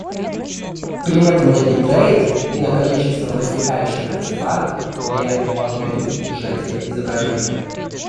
При этом на битрейт и на количество возникающих артефактов влияет алгоритм сжатия изображения